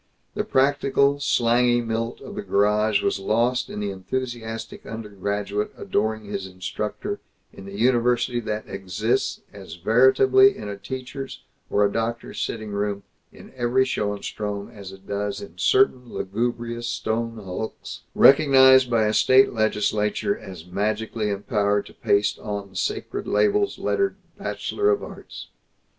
The practical, slangy Milt of the garage was lost in the enthusiastic undergraduate adoring his instructor in the university that exists as veritably in a teacher's or a doctor's sitting room in every Schoenstrom as it does in certain lugubrious stone hulks recognized by a state legislature as magically empowered to paste on sacred labels lettered "Bachelor of Arts."